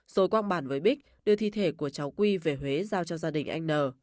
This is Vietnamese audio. rồi quang bản với bích đưa thi thể của cháu quy về huế giao cho gia đình anh n